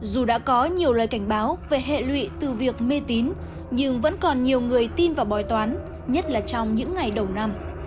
dù đã có nhiều lời cảnh báo về hệ lụy từ việc mê tín nhưng vẫn còn nhiều người tin vào bói toán nhất là trong những ngày đầu năm